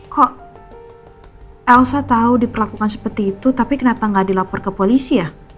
kok elsa tahu diperlakukan seperti itu tapi kenapa nggak dilapor ke polisi ya